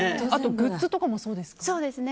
グッズとかもそうですか？